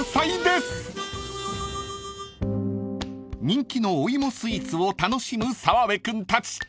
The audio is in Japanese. ［人気のお芋スイーツを楽しむ澤部君たち］